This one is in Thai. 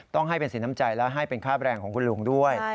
ต้องให้เป็นสีน้ำใจและให้เป็นค่าแรงของคุณลุงด้วย